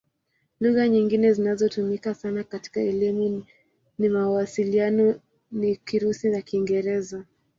Lugha nyingine zinazotumika sana katika elimu na mawasiliano ni Kirusi na Kiingereza.